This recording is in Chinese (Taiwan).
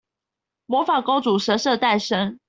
魔法公主神聖誕生